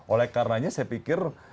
oleh karenanya saya pikir